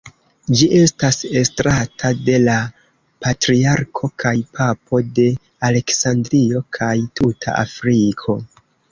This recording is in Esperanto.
Ĝi estas estrata de la "Patriarko kaj Papo de Aleksandrio kaj tuta Afriko".